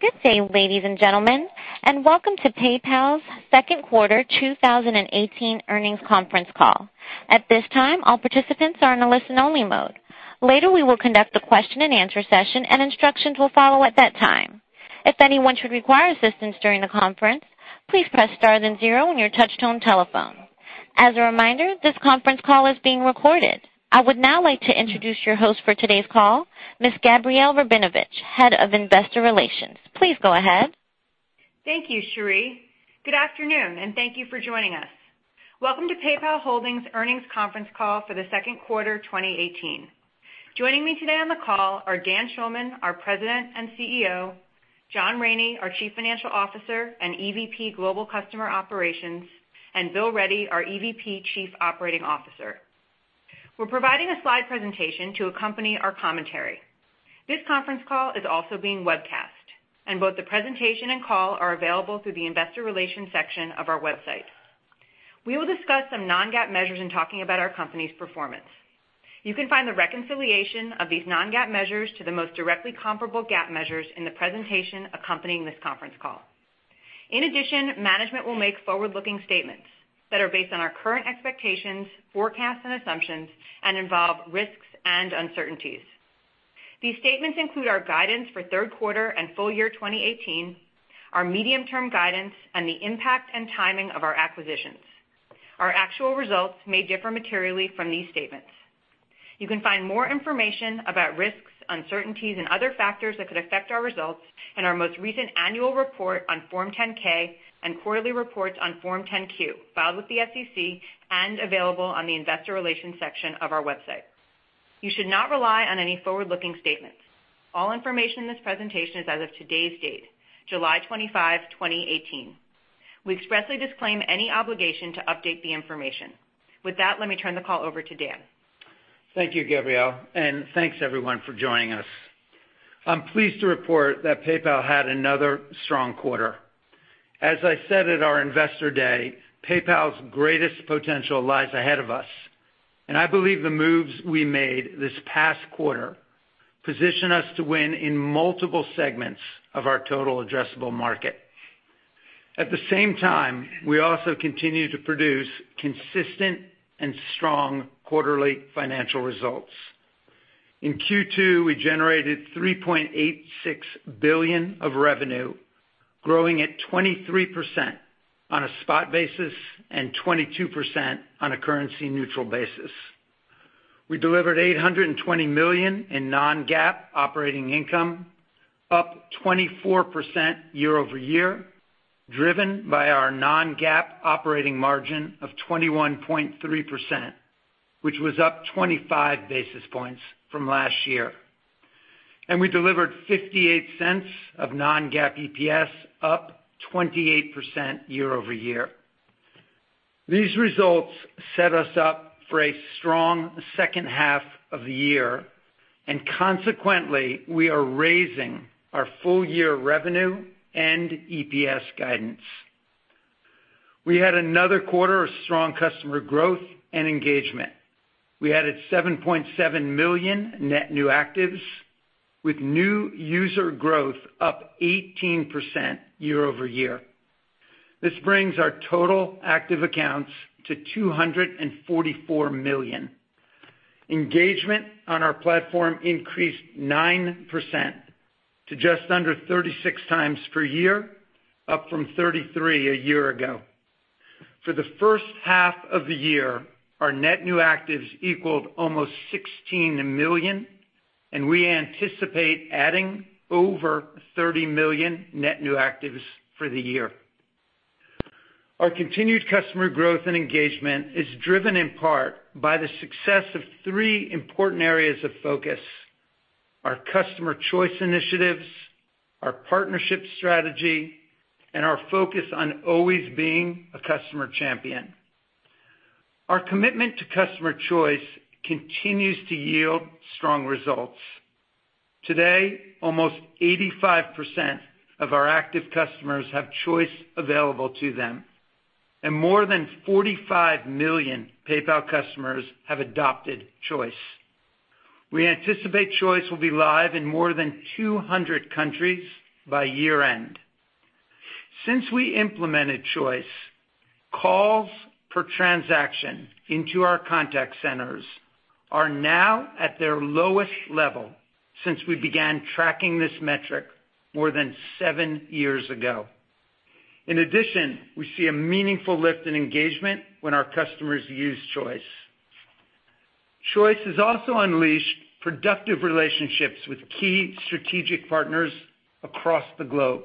Good day, ladies and gentlemen, welcome to PayPal's second quarter 2018 earnings conference call. At this time, all participants are in a listen-only mode. Later, we will conduct a question and answer session, instructions will follow at that time. If anyone should require assistance during the conference, please press star then zero on your touch-tone telephone. As a reminder, this conference call is being recorded. I would now like to introduce your host for today's call, Ms. Gabrielle Rabinovitch, Head of Investor Relations. Please go ahead. Thank you, Cherie. Good afternoon, thank you for joining us. Welcome to PayPal Holdings earnings conference call for the second quarter 2018. Joining me today on the call are Dan Schulman, our President and CEO, John Rainey, our Chief Financial Officer and EVP Global Customer Operations, and Bill Ready, our EVP Chief Operating Officer. We're providing a slide presentation to accompany our commentary. This conference call is also being webcast, both the presentation and call are available through the Investor Relations section of our website. We will discuss some non-GAAP measures in talking about our company's performance. You can find the reconciliation of these non-GAAP measures to the most directly comparable GAAP measures in the presentation accompanying this conference call. In addition, management will make forward-looking statements that are based on our current expectations, forecasts and assumptions, and involve risks and uncertainties. These statements include our guidance for third quarter and full year 2018, our medium-term guidance, and the impact and timing of our acquisitions. Our actual results may differ materially from these statements. You can find more information about risks, uncertainties, and other factors that could affect our results in our most recent annual report on Form 10-K and quarterly reports on Form 10-Q, filed with the SEC and available on the Investor Relations section of our website. You should not rely on any forward-looking statements. All information in this presentation is as of today's date, July 25, 2018. We expressly disclaim any obligation to update the information. With that, let me turn the call over to Dan. Thank you, Gabrielle, thanks, everyone, for joining us. I'm pleased to report that PayPal had another strong quarter. As I said at our Investor Day, PayPal's greatest potential lies ahead of us, I believe the moves we made this past quarter position us to win in multiple segments of our total addressable market. At the same time, we also continue to produce consistent and strong quarterly financial results. In Q2, we generated $3.86 billion of revenue, growing at 23% on a spot basis and 22% on a currency-neutral basis. We delivered $820 million in non-GAAP operating income, up 24% year-over-year, driven by our non-GAAP operating margin of 21.3%, which was up 25 basis points from last year. We delivered $0.58 of non-GAAP EPS, up 28% year-over-year. Consequently, we are raising our full year revenue and EPS guidance. We had another quarter of strong customer growth and engagement. We added $7.7 million net new actives, with new user growth up 18% year-over-year. This brings our total active accounts to $244 million. Engagement on our platform increased 9% to just under 36 times per year, up from 33 a year ago. For the first half of the year, our net new actives equaled almost $16 million, and we anticipate adding over $30 million net new actives for the year. Our continued customer growth and engagement is driven in part by the success of three important areas of focus, our customer Choice initiatives, our partnership strategy, and our focus on always being a customer champion. Our commitment to customer Choice continues to yield strong results. Today, almost 85% of our active customers have Choice available to them, and more than $45 million PayPal customers have adopted Choice. We anticipate Choice will be live in more than 200 countries by year-end. Since we implemented Choice, calls per transaction into our contact centers are now at their lowest level since we began tracking this metric more than seven years ago. In addition, we see a meaningful lift in engagement when our customers use Choice. Choice has also unleashed productive relationships with key strategic partners across the globe.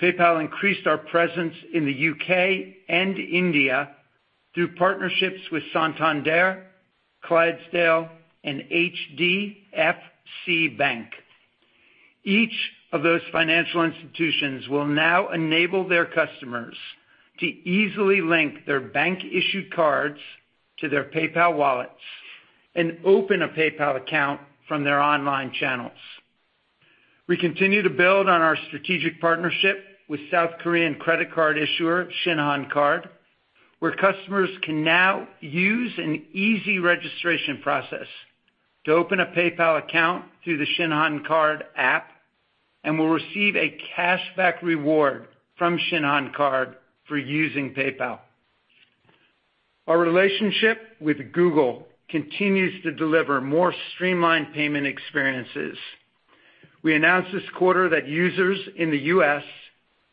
PayPal increased our presence in the U.K. and India through partnerships with Santander, Clydesdale, and HDFC Bank. Each of those financial institutions will now enable their customers to easily link their bank-issued cards to their PayPal wallets and open a PayPal account from their online channels. We continue to build on our strategic partnership with South Korean credit card issuer Shinhan Card, where customers can now use an easy registration process to open a PayPal account through the Shinhan Card app, and will receive a cashback reward from Shinhan Card for using PayPal. Our relationship with Google continues to deliver more streamlined payment experiences. We announced this quarter that users in the U.S.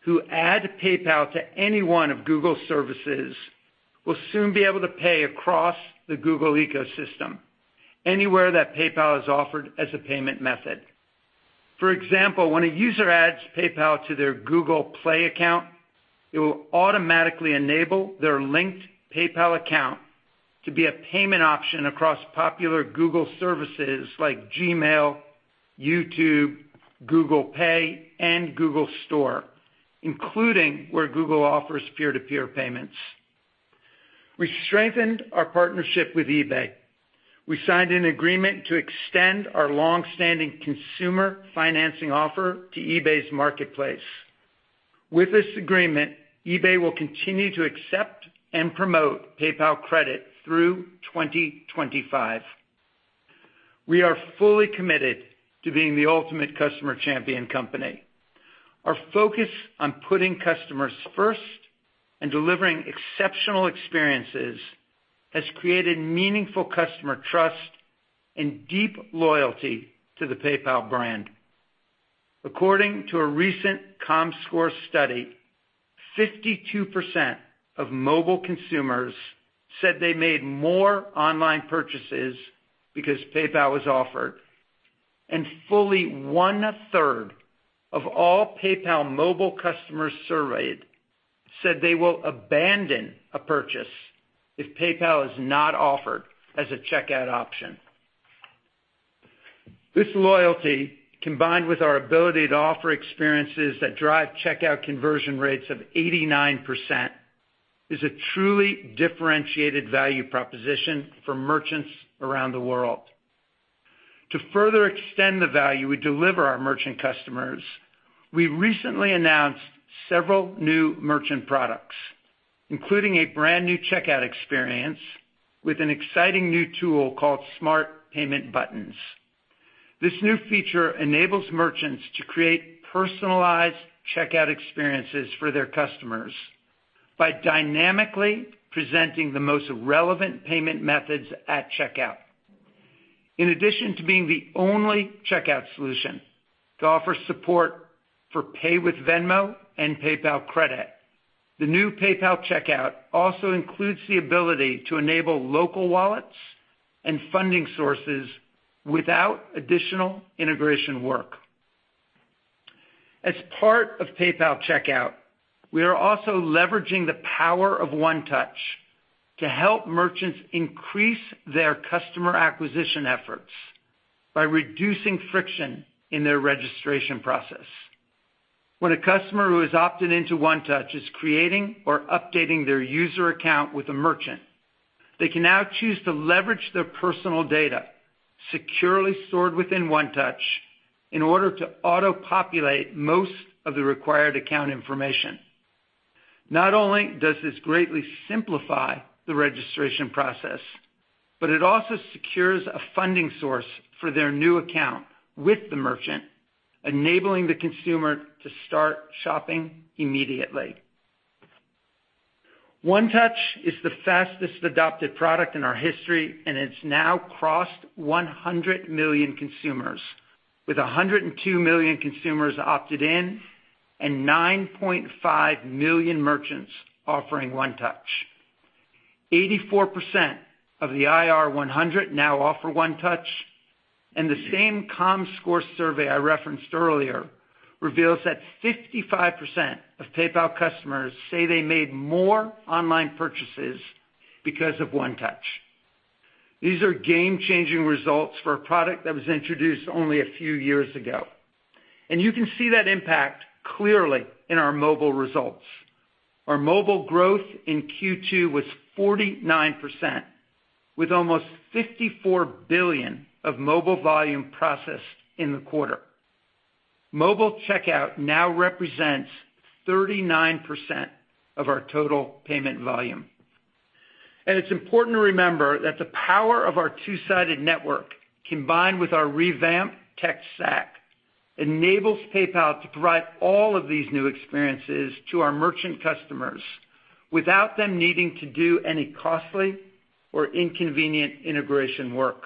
who add PayPal to any one of Google services will soon be able to pay across the Google ecosystem anywhere that PayPal is offered as a payment method. For example, when a user adds PayPal to their Google Play account, it will automatically enable their linked PayPal account to be a payment option across popular Google services like Gmail, YouTube, Google Pay, and Google Store, including where Google offers peer-to-peer payments. We strengthened our partnership with eBay. We signed an agreement to extend our longstanding consumer financing offer to eBay's marketplace. With this agreement, eBay will continue to accept and promote PayPal Credit through 2025. We are fully committed to being the ultimate customer champion company. Our focus on putting customers first and delivering exceptional experiences has created meaningful customer trust and deep loyalty to the PayPal brand. According to a recent Comscore study, 52% of mobile consumers said they made more online purchases because PayPal was offered, and fully one-third of all PayPal mobile customers surveyed said they will abandon a purchase if PayPal is not offered as a checkout option. This loyalty, combined with our ability to offer experiences that drive checkout conversion rates of 89%, is a truly differentiated value proposition for merchants around the world. To further extend the value we deliver our merchant customers, we recently announced several new merchant products, including a brand-new checkout experience with an exciting new tool called Smart Payment Buttons. This new feature enables merchants to create personalized checkout experiences for their customers by dynamically presenting the most relevant payment methods at checkout. In addition to being the only checkout solution to offer support for Pay with Venmo and PayPal Credit, the new PayPal Checkout also includes the ability to enable local wallets and funding sources without additional integration work. As part of PayPal Checkout, we are also leveraging the power of One Touch to help merchants increase their customer acquisition efforts by reducing friction in their registration process. When a customer who has opted into One Touch is creating or updating their user account with a merchant, they can now choose to leverage their personal data securely stored within One Touch in order to auto-populate most of the required account information. Not only does this greatly simplify the registration process, but it also secures a funding source for their new account with the merchant, enabling the consumer to start shopping immediately. One Touch is the fastest adopted product in our history, and it's now crossed 100 million consumers. With 102 million consumers opted in, and 9.5 million merchants offering One Touch. 84% of the IR 100 now offer One Touch, and the same Comscore survey I referenced earlier reveals that 55% of PayPal customers say they made more online purchases because of One Touch. These are game-changing results for a product that was introduced only a few years ago. You can see that impact clearly in our mobile results. Our mobile growth in Q2 was 49%, with almost $54 billion of mobile volume processed in the quarter. Mobile checkout now represents 39% of our total payment volume. It's important to remember that the power of our two-sided network, combined with our revamped tech stack, enables PayPal to provide all of these new experiences to our merchant customers without them needing to do any costly or inconvenient integration work.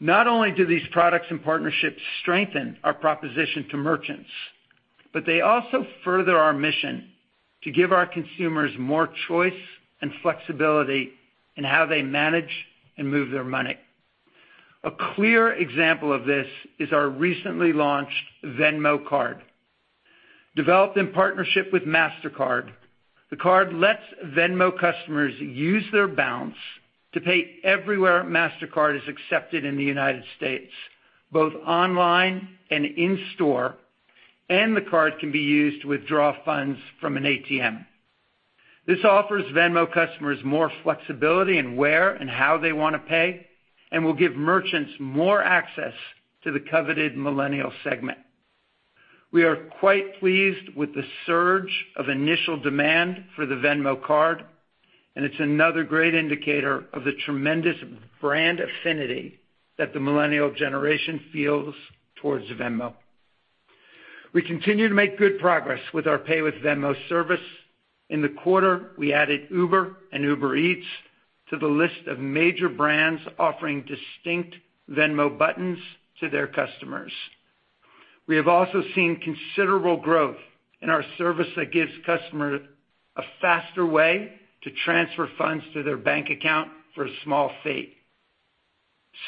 Not only do these products and partnerships strengthen our proposition to merchants, but they also further our mission to give our consumers more choice and flexibility in how they manage and move their money. A clear example of this is our recently launched Venmo Card. Developed in partnership with Mastercard, the card lets Venmo customers use their balance to pay everywhere Mastercard is accepted in the United States, both online and in store, and the card can be used to withdraw funds from an ATM. This offers Venmo customers more flexibility in where and how they want to pay, and will give merchants more access to the coveted millennial segment. We are quite pleased with the surge of initial demand for the Venmo Card, and it's another great indicator of the tremendous brand affinity that the millennial generation feels towards Venmo. We continue to make good progress with our Pay with Venmo service. In the quarter, we added Uber and Uber Eats to the list of major brands offering distinct Venmo buttons to their customers. We have also seen considerable growth in our service that gives customers a faster way to transfer funds to their bank account for a small fee.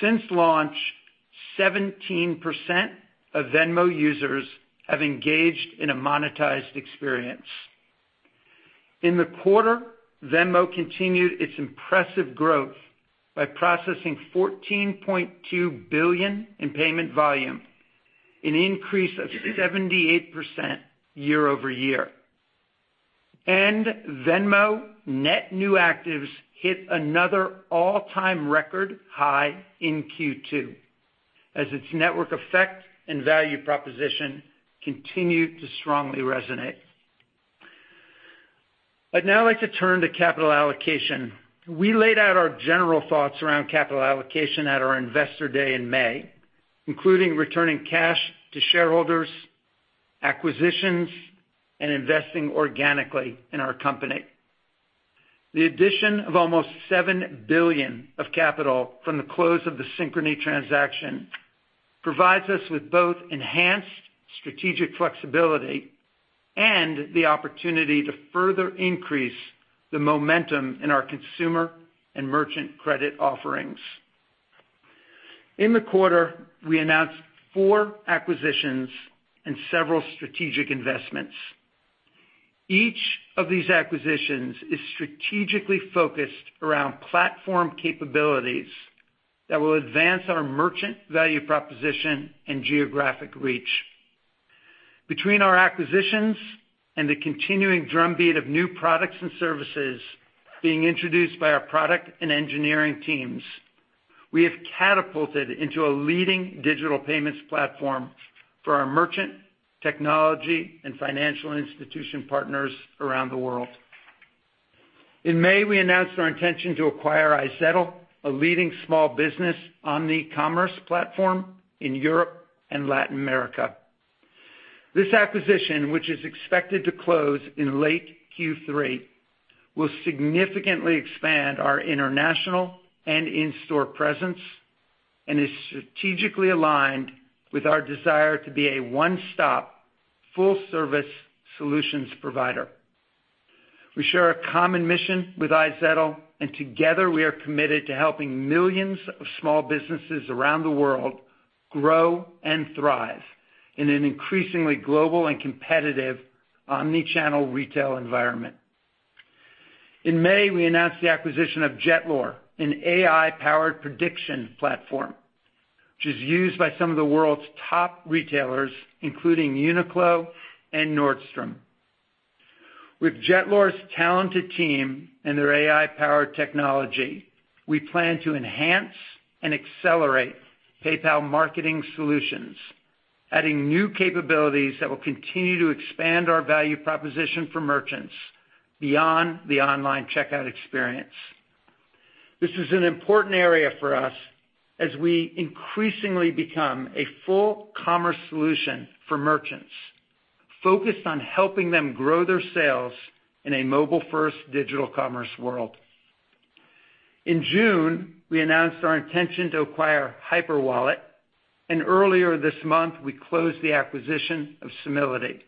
Since launch, 17% of Venmo users have engaged in a monetized experience. In the quarter, Venmo continued its impressive growth by processing $14.2 billion in payment volume, an increase of 78% year-over-year. Venmo net new actives hit another all-time record high in Q2 as its network effect and value proposition continued to strongly resonate. I'd now like to turn to capital allocation. We laid out our general thoughts around capital allocation at our investor day in May, including returning cash to shareholders, acquisitions, and investing organically in our company. The addition of almost $7 billion of capital from the close of the Synchrony transaction provides us with both enhanced strategic flexibility and the opportunity to further increase the momentum in our consumer and merchant credit offerings. In the quarter, we announced four acquisitions and several strategic investments. Each of these acquisitions is strategically focused around platform capabilities that will advance our merchant value proposition and geographic reach. Between our acquisitions and the continuing drumbeat of new products and services being introduced by our product and engineering teams, we have catapulted into a leading digital payments platform for our merchant, technology, and financial institution partners around the world. In May, we announced our intention to acquire iZettle, a leading small business omni-commerce platform in Europe and Latin America. This acquisition, which is expected to close in late Q3, will significantly expand our international and in-store presence and is strategically aligned with our desire to be a one-stop, full-service solutions provider. We share a common mission with iZettle, and together we are committed to helping millions of small businesses around the world grow and thrive in an increasingly global and competitive omni-channel retail environment. In May, we announced the acquisition of Jetlore, an AI-powered prediction platform, which is used by some of the world's top retailers, including Uniqlo and Nordstrom. With Jetlore's talented team and their AI-powered technology, we plan to enhance and accelerate PayPal marketing solutions, adding new capabilities that will continue to expand our value proposition for merchants beyond the online checkout experience. This is an important area for us as we increasingly become a full commerce solution for merchants, focused on helping them grow their sales in a mobile-first digital commerce world. In June, we announced our intention to acquire Hyperwallet, and earlier this month, we closed the acquisition of Simility,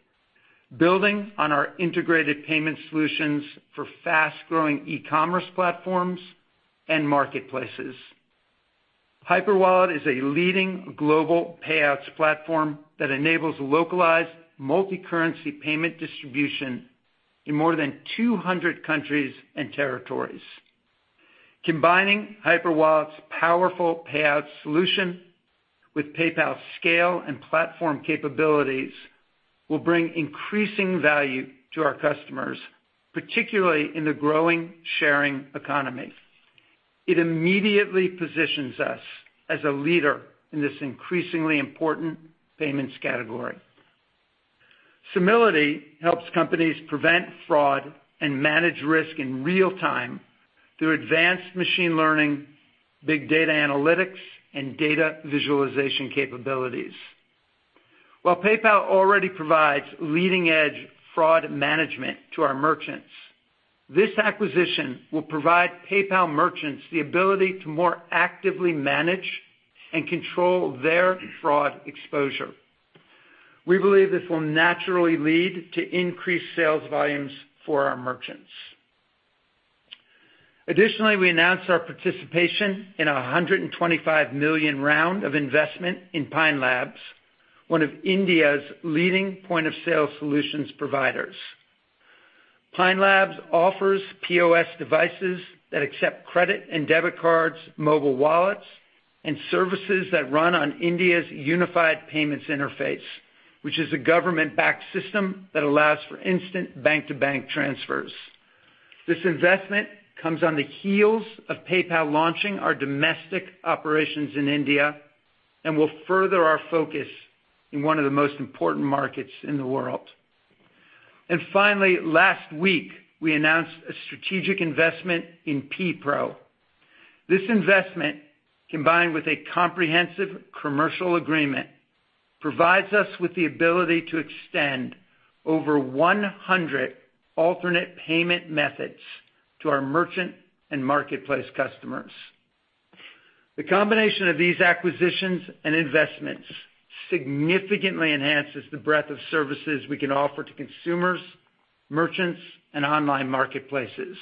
building on our integrated payment solutions for fast-growing e-commerce platforms and marketplaces. Hyperwallet is a leading global payouts platform that enables localized multi-currency payment distribution in more than 200 countries and territories. Combining Hyperwallet's powerful payouts solution with PayPal scale and platform capabilities will bring increasing value to our customers, particularly in the growing sharing economy. It immediately positions us as a leader in this increasingly important payments category. Simility helps companies prevent fraud and manage risk in real time through advanced machine learning, big data analytics, and data visualization capabilities. While PayPal already provides leading-edge fraud management to our merchants, this acquisition will provide PayPal merchants the ability to more actively manage and control their fraud exposure. We believe this will naturally lead to increased sales volumes for our merchants. Additionally, we announced our participation in $125 million round of investment in Pine Labs, one of India's leading point-of-sale solutions providers. Pine Labs offers POS devices that accept credit and debit cards, mobile wallets, and services that run on India's Unified Payments Interface, which is a government-backed system that allows for instant bank-to-bank transfers. This investment comes on the heels of PayPal launching our domestic operations in India and will further our focus in one of the most important markets in the world. Finally, last week, we announced a strategic investment in PPRO. This investment, combined with a comprehensive commercial agreement, provides us with the ability to extend over 100 alternate payment methods to our merchant and marketplace customers. The combination of these acquisitions and investments significantly enhances the breadth of services we can offer to consumers, merchants, and online marketplaces.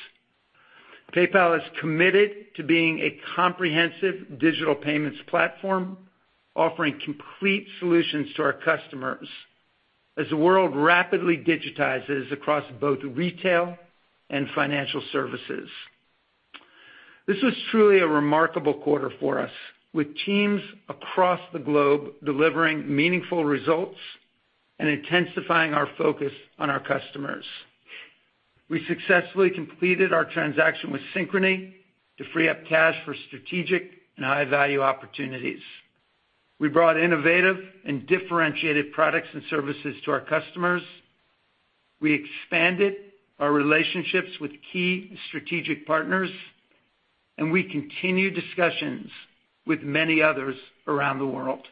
PayPal is committed to being a comprehensive digital payments platform, offering complete solutions to our customers as the world rapidly digitizes across both retail and financial services. This was truly a remarkable quarter for us, with teams across the globe delivering meaningful results and intensifying our focus on our customers. We successfully completed our transaction with Synchrony to free up cash for strategic and high-value opportunities. We brought innovative and differentiated products and services to our customers. We expanded our relationships with key strategic partners, we continue discussions with many others around the world.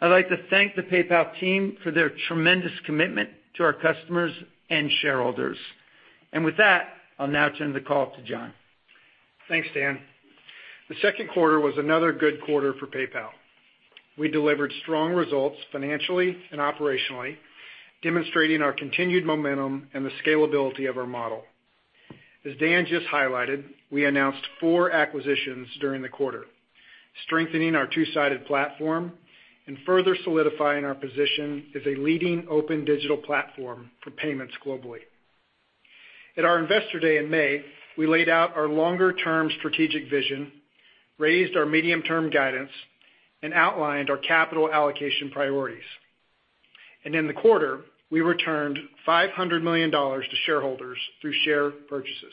I'd like to thank the PayPal team for their tremendous commitment to our customers and shareholders. With that, I'll now turn the call to John. Thanks, Dan. The second quarter was another good quarter for PayPal. We delivered strong results financially and operationally, demonstrating our continued momentum and the scalability of our model. As Dan just highlighted, we announced four acquisitions during the quarter, strengthening our two-sided platform and further solidifying our position as a leading open digital platform for payments globally. At our Investor Day in May, we laid out our longer-term strategic vision, raised our medium-term guidance, outlined our capital allocation priorities. In the quarter, we returned $500 million to shareholders through share purchases.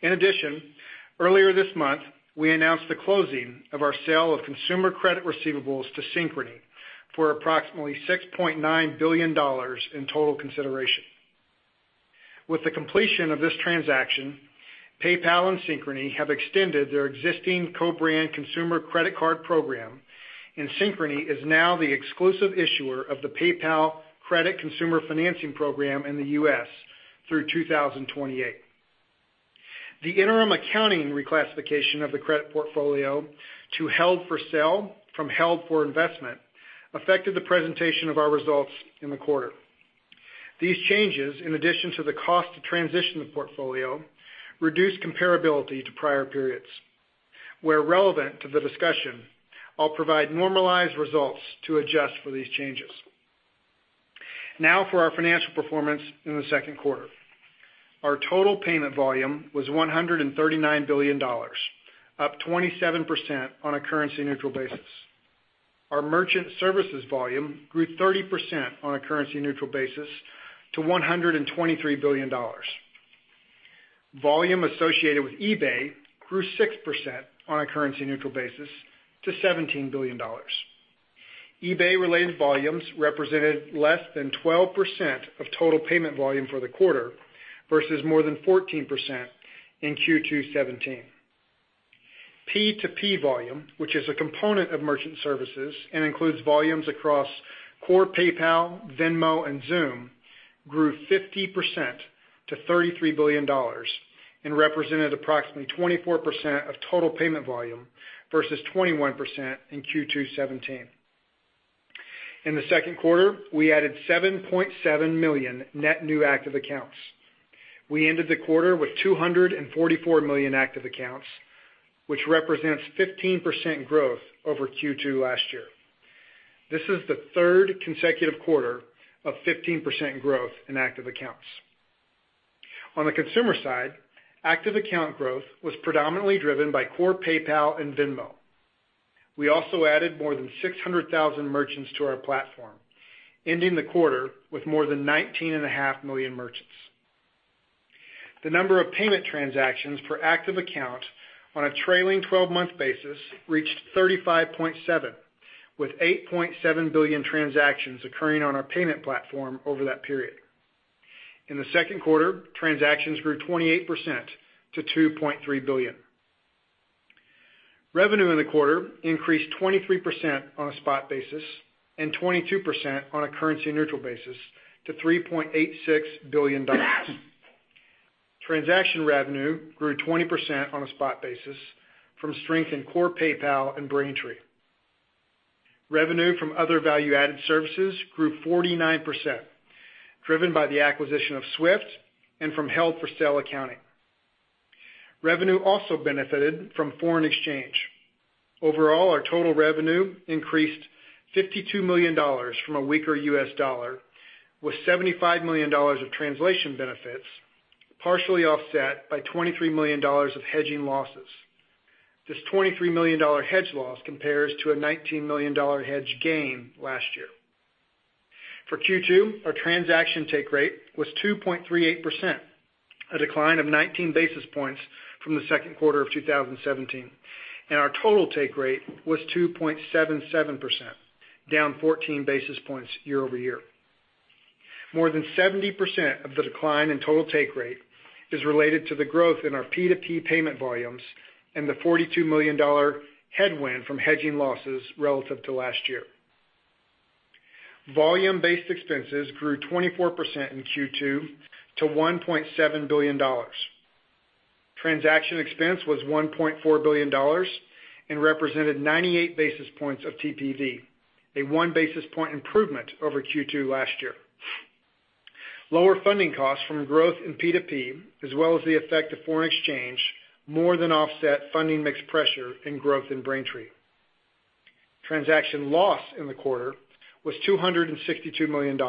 In addition, earlier this month, we announced the closing of our sale of consumer credit receivables to Synchrony for approximately $6.9 billion in total consideration. With the completion of this transaction, PayPal and Synchrony have extended their existing co-brand consumer credit card program, and Synchrony is now the exclusive issuer of the PayPal Credit consumer financing program in the U.S. through 2028. The interim accounting reclassification of the credit portfolio to held for sale from held for investment affected the presentation of our results in the quarter. These changes, in addition to the cost to transition the portfolio, reduced comparability to prior periods. Where relevant to the discussion, I'll provide normalized results to adjust for these changes. Now for our financial performance in the second quarter. Our total payment volume was $139 billion, up 27% on a currency-neutral basis. Our merchant services volume grew 30% on a currency-neutral basis to $123 billion. Volume associated with eBay grew 6% on a currency-neutral basis to $17 billion. eBay-related volumes represented less than 12% of total payment volume for the quarter versus more than 14% in Q2 2017. P2P volume, which is a component of merchant services and includes volumes across core PayPal, Venmo, and Xoom, grew 50% to $33 billion and represented approximately 24% of total payment volume versus 21% in Q2 2017. In the second quarter, we added 7.7 million net new active accounts. We ended the quarter with 244 million active accounts, which represents 15% growth over Q2 last year. This is the third consecutive quarter of 15% growth in active accounts. On the consumer side, active account growth was predominantly driven by core PayPal and Venmo. We also added more than 600,000 merchants to our platform, ending the quarter with more than 19.5 million merchants. The number of payment transactions per active account on a trailing 12-month basis reached 35.7, with 8.7 billion transactions occurring on our payment platform over that period. In the second quarter, transactions grew 28% to 2.3 billion. Revenue in the quarter increased 23% on a spot basis and 22% on a currency-neutral basis to $3.86 billion. Transaction revenue grew 20% on a spot basis from strength in core PayPal and Braintree. Revenue from other value-added services grew 49%, driven by the acquisition of Swift Financial and from held for sale accounting. Revenue also benefited from foreign exchange. Overall, our total revenue increased $52 million from a weaker U.S. dollar, with $75 million of translation benefits partially offset by $23 million of hedging losses. This $23 million hedge loss compares to a $19 million hedge gain last year. For Q2, our transaction take rate was 2.38%, a decline of 19 basis points from the second quarter of 2017, and our total take rate was 2.77%, down 14 basis points year-over-year. More than 70% of the decline in total take rate is related to the growth in our P2P payment volumes and the $42 million headwind from hedging losses relative to last year. Volume-based expenses grew 24% in Q2 to $1.7 billion. Transaction expense was $1.4 billion and represented 98 basis points of TPV, a one basis point improvement over Q2 last year. Lower funding costs from growth in P2P, as well as the effect of foreign exchange, more than offset funding mixed pressure and growth in Braintree. Transaction loss in the quarter was $262 million,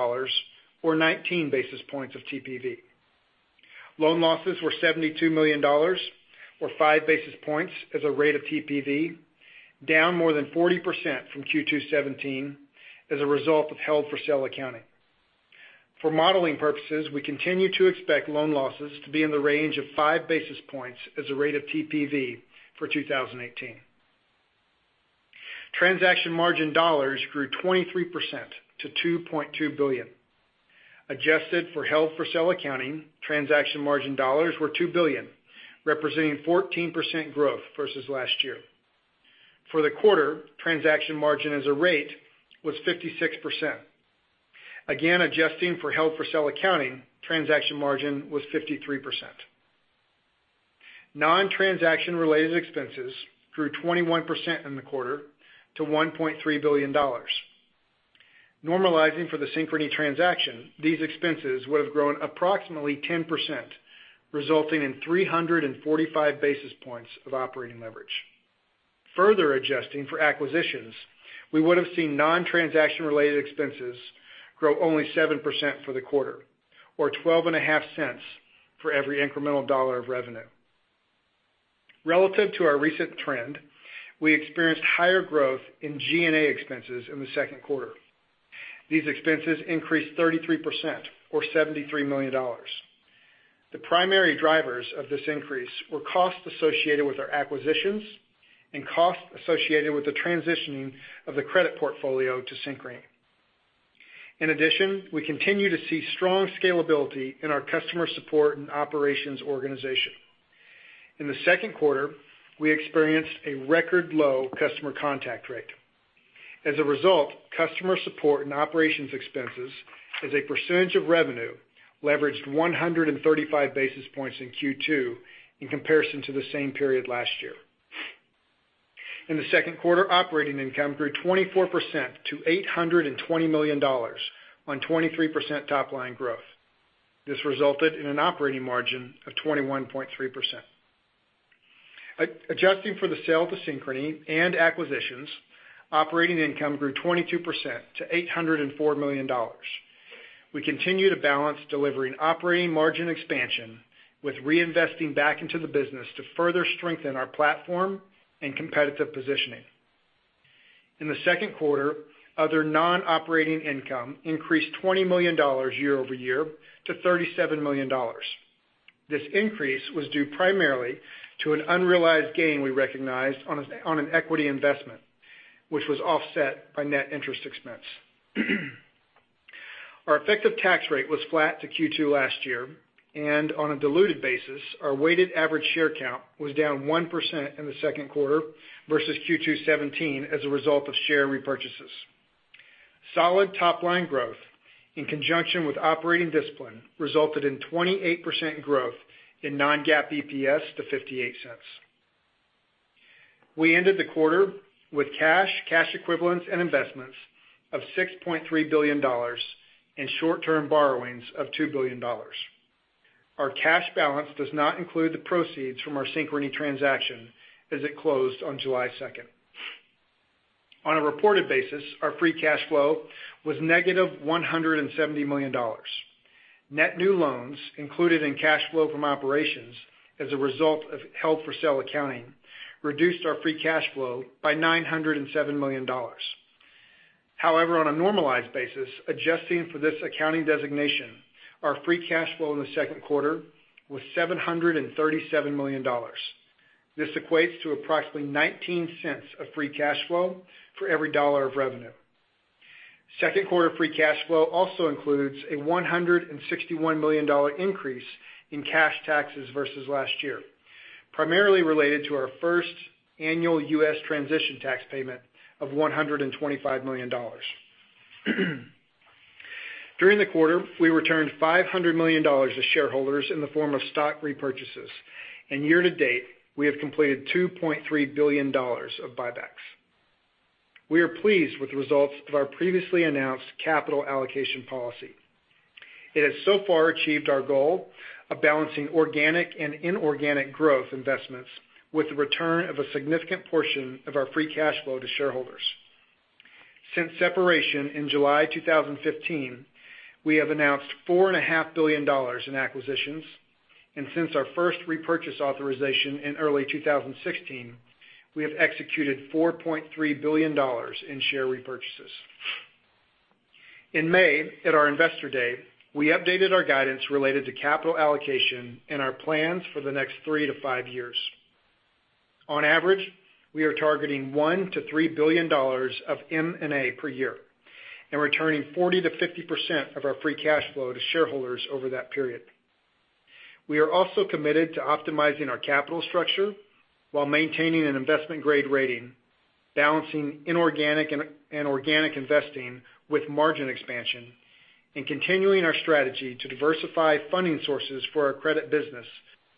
or 19 basis points of TPV. Loan losses were $72 million, or five basis points as a rate of TPV, down more than 40% from Q2 '17 as a result of held-for-sale accounting. For modeling purposes, we continue to expect loan losses to be in the range of five basis points as a rate of TPV for 2018. Transaction margin dollars grew 23% to $2.2 billion. Adjusted for held-for-sale accounting, transaction margin dollars were $2 billion, representing 14% growth versus last year. For the quarter, transaction margin as a rate was 56%. Again, adjusting for held-for-sale accounting, transaction margin was 53%. Non-transaction related expenses grew 21% in the quarter to $1.3 billion. Normalizing for the Synchrony transaction, these expenses would've grown approximately 10%, resulting in 345 basis points of operating leverage. Further adjusting for acquisitions, we would've seen non-transaction related expenses grow only 7% for the quarter or $0.125 for every incremental dollar of revenue. Relative to our recent trend, we experienced higher growth in G&A expenses in the second quarter. These expenses increased 33%, or $73 million. The primary drivers of this increase were costs associated with our acquisitions and costs associated with the transitioning of the credit portfolio to Synchrony. In addition, we continue to see strong scalability in our customer support and operations organization. In the second quarter, we experienced a record low customer contact rate. As a result, customer support and operations expenses as a percentage of revenue leveraged 135 basis points in Q2 in comparison to the same period last year. In the second quarter, operating income grew 24% to $820 million on 23% top-line growth. This resulted in an operating margin of 21.3%. Adjusting for the sale to Synchrony and acquisitions, operating income grew 22% to $804 million. We continue to balance delivering operating margin expansion with reinvesting back into the business to further strengthen our platform and competitive positioning. In the second quarter, other non-operating income increased $20 million year-over-year to $37 million. This increase was due primarily to an unrealized gain we recognized on an equity investment, which was offset by net interest expense. Our effective tax rate was flat to Q2 last year, and on a diluted basis, our weighted average share count was down 1% in the second quarter versus Q2 '17 as a result of share repurchases. Solid top-line growth in conjunction with operating discipline resulted in 28% growth in non-GAAP EPS to $0.58. We ended the quarter with cash equivalents, and investments of $6.3 billion in short-term borrowings of $2 billion. Our cash balance does not include the proceeds from our Synchrony transaction as it closed on July 2nd. On a reported basis, our free cash flow was negative $170 million. Net new loans included in cash flow from operations as a result of held-for-sale accounting reduced our free cash flow by $907 million. However, on a normalized basis, adjusting for this accounting designation, our free cash flow in the second quarter was $737 million. This equates to approximately $0.19 of free cash flow for every dollar of revenue. Second quarter free cash flow also includes a $161 million increase in cash taxes versus last year, primarily related to our first annual U.S. transition tax payment of $125 million. During the quarter, we returned $500 million to shareholders in the form of stock repurchases, and year to date, we have completed $2.3 billion of buybacks. We are pleased with the results of our previously announced capital allocation policy. It has so far achieved our goal of balancing organic and inorganic growth investments with the return of a significant portion of our free cash flow to shareholders. Since separation in July 2015, we have announced $4.5 billion in acquisitions. Since our first repurchase authorization in early 2016, we have executed $4.3 billion in share repurchases. In May, at our Investor Day, we updated our guidance related to capital allocation and our plans for the next three to five years. On average, we are targeting $1 billion to $3 billion of M&A per year and returning 40%-50% of our free cash flow to shareholders over that period. We are also committed to optimizing our capital structure while maintaining an investment-grade rating, balancing inorganic and organic investing with margin expansion, and continuing our strategy to diversify funding sources for our credit business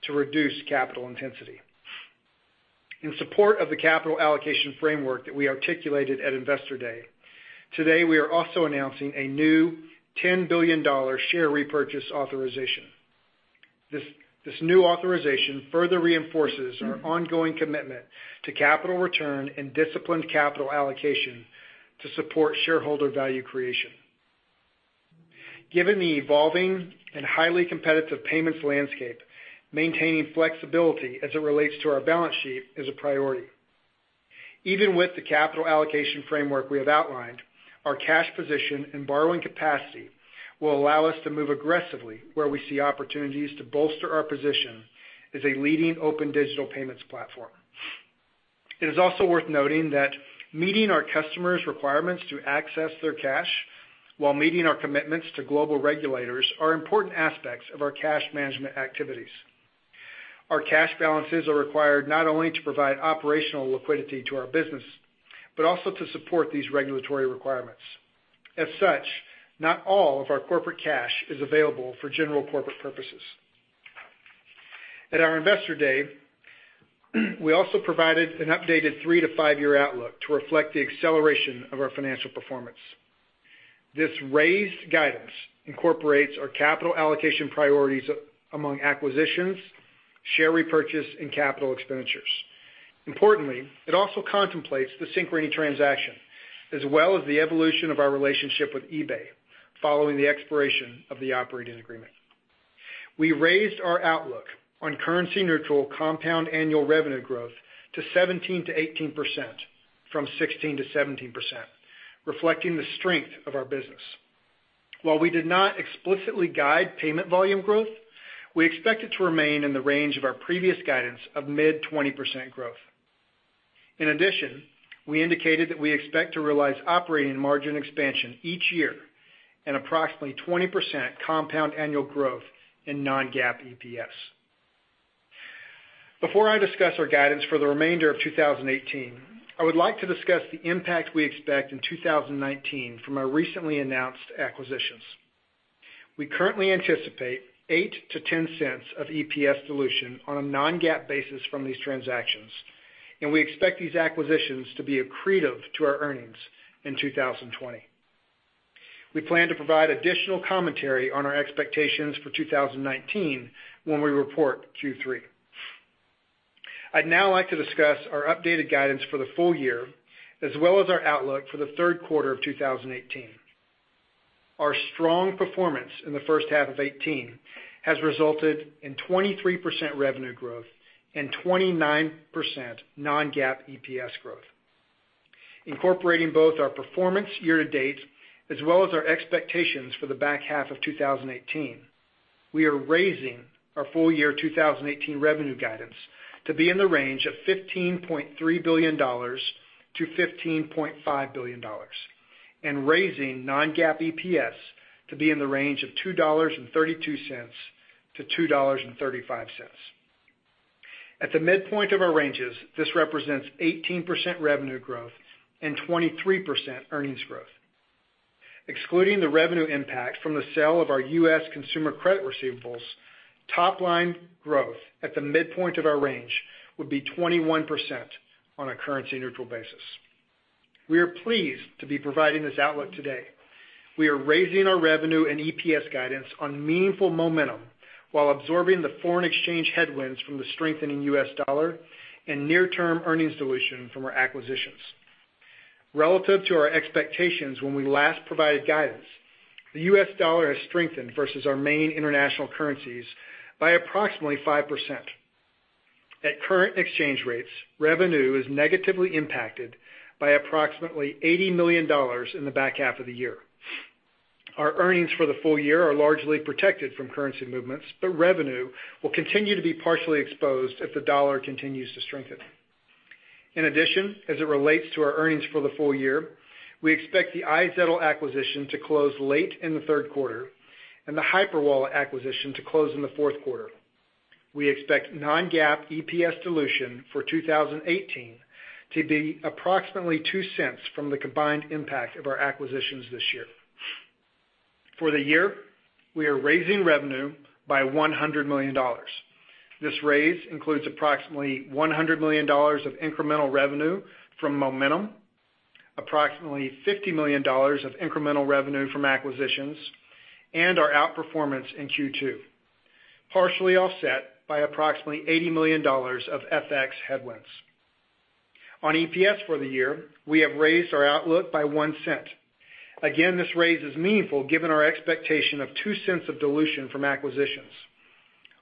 to reduce capital intensity. In support of the capital allocation framework that we articulated at Investor Day, today, we are also announcing a new $10 billion share repurchase authorization. This new authorization further reinforces our ongoing commitment to capital return and disciplined capital allocation to support shareholder value creation. Given the evolving and highly competitive payments landscape, maintaining flexibility as it relates to our balance sheet is a priority. Even with the capital allocation framework we have outlined, our cash position and borrowing capacity will allow us to move aggressively where we see opportunities to bolster our position as a leading open digital payments platform. It is also worth noting that meeting our customers' requirements to access their cash while meeting our commitments to global regulators are important aspects of our cash management activities. Our cash balances are required not only to provide operational liquidity to our business, but also to support these regulatory requirements. As such, not all of our corporate cash is available for general corporate purposes. At our Investor Day, we also provided an updated three-to-five-year outlook to reflect the acceleration of our financial performance. This raised guidance incorporates our capital allocation priorities among acquisitions, share repurchase, and capital expenditures. Importantly, it also contemplates the Synchrony transaction as well as the evolution of our relationship with eBay following the expiration of the operating agreement. We raised our outlook on currency-neutral compound annual revenue growth to 17%-18% from 16%-17%, reflecting the strength of our business. While we did not explicitly guide payment volume growth, we expect it to remain in the range of our previous guidance of mid-20% growth. In addition, we indicated that we expect to realize operating margin expansion each year and approximately 20% compound annual growth in non-GAAP EPS. Before I discuss our guidance for the remainder of 2018, I would like to discuss the impact we expect in 2019 from our recently announced acquisitions. We currently anticipate $0.08-$0.10 of EPS dilution on a non-GAAP basis from these transactions, and we expect these acquisitions to be accretive to our earnings in 2020. We plan to provide additional commentary on our expectations for 2019 when we report Q3. I'd now like to discuss our updated guidance for the full year as well as our outlook for the third quarter of 2018. Our strong performance in the first half of 2018 has resulted in 23% revenue growth and 29% non-GAAP EPS growth. Incorporating both our performance year-to-date as well as our expectations for the back half of 2018, we are raising our full-year 2018 revenue guidance to be in the range of $15.3 billion-$15.5 billion and raising non-GAAP EPS to be in the range of $2.32-$2.35. At the midpoint of our ranges, this represents 18% revenue growth and 23% earnings growth. Excluding the revenue impact from the sale of our U.S. consumer credit receivables, top-line growth at the midpoint of our range would be 21% on a currency-neutral basis. We are pleased to be providing this outlook today. We are raising our revenue and EPS guidance on meaningful momentum while absorbing the foreign exchange headwinds from the strengthening U.S. dollar and near-term earnings dilution from our acquisitions. Relative to our expectations when we last provided guidance, the U.S. dollar has strengthened versus our main international currencies by approximately 5%. At current exchange rates, revenue is negatively impacted by approximately $80 million in the back half of the year. Our earnings for the full year are largely protected from currency movements, but revenue will continue to be partially exposed if the dollar continues to strengthen. In addition, as it relates to our earnings for the full year, we expect the iZettle acquisition to close late in the third quarter and the Hyperwallet acquisition to close in the fourth quarter. We expect non-GAAP EPS dilution for 2018 to be approximately $0.02 from the combined impact of our acquisitions this year. For the year, we are raising revenue by $100 million. This raise includes approximately $100 million of incremental revenue from momentum, approximately $50 million of incremental revenue from acquisitions, and our outperformance in Q2. Partially offset by approximately $80 million of FX headwinds. On EPS for the year, we have raised our outlook by $0.01. Again, this raise is meaningful given our expectation of $0.02 of dilution from acquisitions.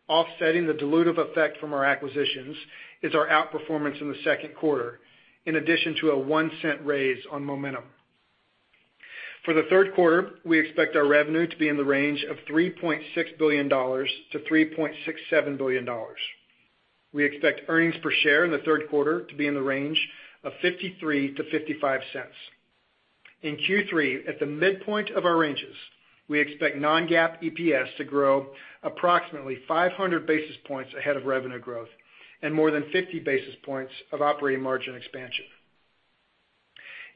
Offsetting the dilutive effect from our acquisitions is our outperformance in the second quarter, in addition to a $0.01 raise on momentum. For the third quarter, we expect our revenue to be in the range of $3.6 billion-$3.67 billion. We expect earnings per share in the third quarter to be in the range of $0.53-$0.55. In Q3, at the midpoint of our ranges, we expect non-GAAP EPS to grow approximately 500 basis points ahead of revenue growth and more than 50 basis points of operating margin expansion.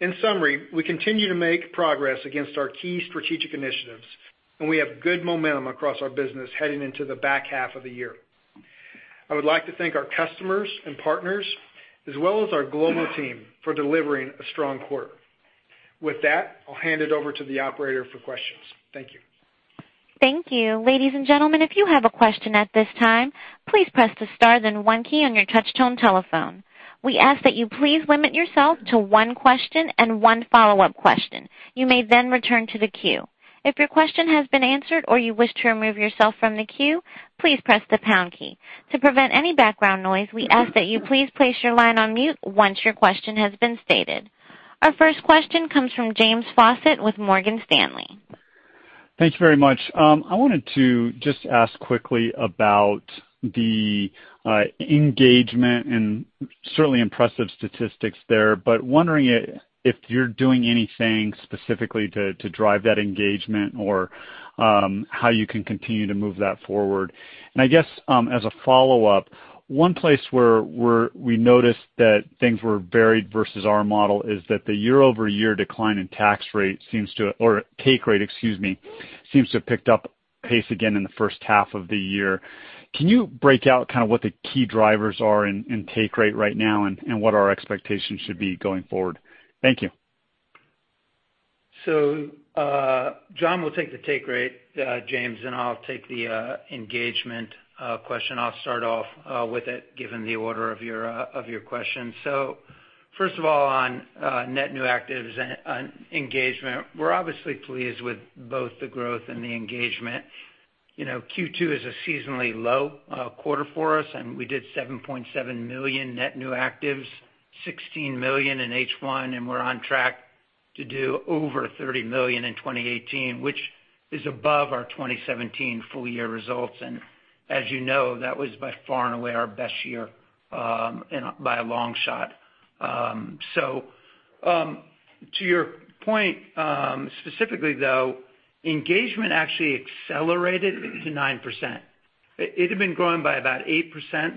In summary, we continue to make progress against our key strategic initiatives, and we have good momentum across our business heading into the back half of the year. I would like to thank our customers and partners as well as our global team for delivering a strong quarter. With that, I'll hand it over to the operator for questions. Thank you. Thank you. Ladies and gentlemen, if you have a question at this time, please press the star then one key on your touch tone telephone. We ask that you please limit yourself to one question and one follow-up question. You may then return to the queue. If your question has been answered or you wish to remove yourself from the queue, please press the pound key. To prevent any background noise, we ask that you please place your line on mute once your question has been stated. Our first question comes from James Faucette with Morgan Stanley. Thank you very much. I wanted to just ask quickly about the engagement and certainly impressive statistics there, but wondering if you're doing anything specifically to drive that engagement or how you can continue to move that forward. I guess as a follow-up, one place where we noticed that things were varied versus our model is that the year-over-year decline in take rate, excuse me, seems to have picked up pace again in the first half of the year. Can you break out kind of what the key drivers are in take rate right now and what our expectations should be going forward? Thank you. John will take the take rate, James, I'll take the engagement question. I'll start off with it given the order of your question. First of all, on net new actives and on engagement, we're obviously pleased with both the growth and the engagement. Q2 is a seasonally low quarter for us, and we did $7.7 million net new actives, $16 million in H1, and we're on track to do over $30 million in 2018, which is above our 2017 full-year results. As you know, that was by far and away our best year by a long shot. To your point specifically though, engagement actually accelerated to 9%. It had been growing by about 8%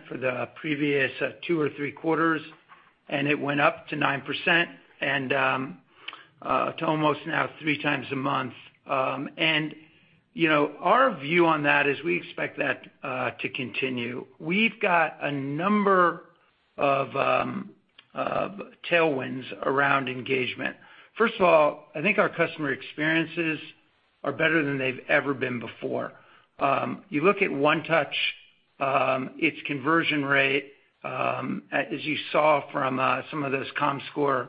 for the previous two or three quarters, and it went up to 9% and to almost now three times a month. Our view on that is we expect that to continue. We've got a number of tailwinds around engagement. First of all, I think our customer experiences are better than they've ever been before. You look at One Touch, its conversion rate, as you saw from some of those Comscore